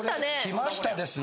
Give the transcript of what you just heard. きましたですね。